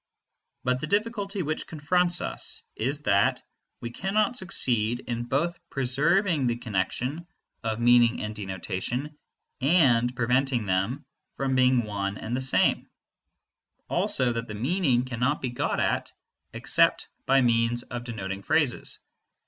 But the difficulty which confronts us is that we cannot succeed in both preserving the connexion of meaning and denotation and preventing them from being one and the same; also that the meaning cannot be got at except by means of denoting phrases.